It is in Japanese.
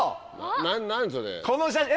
何それ？え？